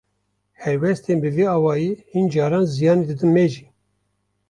Helwestên bi vî awayî, hin caran ziyanê didin me jî.